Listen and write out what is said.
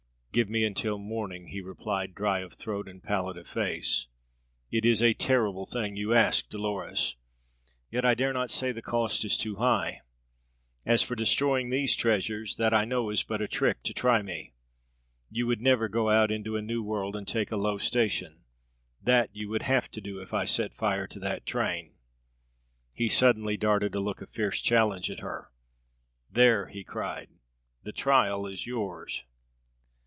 "Give me until morning," he replied, dry of throat, and pallid of face. "It is a terrible thing you ask, Dolores. Yet I dare not say the cost is too high. As for destroying these treasures, that I know is but a trick to try me. You could never go out into a new world and take a low station. That you would have to do if I set fire to that train." He suddenly darted a look of fierce challenge at her, "There!" he cried. "The trial is yours!"